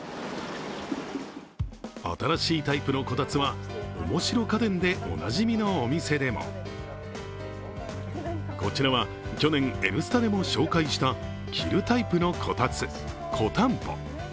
新しいタイプのこたつはおもしろ家電でおなじみのお店でもこちらは去年「Ｎスタ」でも紹介した着るタイプのこたつ、こたんぽ。